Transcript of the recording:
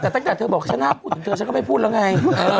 แต่เธอบอกสินะขุนเธอก็ไม่พูดแล้วไง